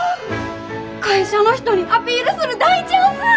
会社の人にアピールする大チャンス！